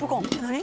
何？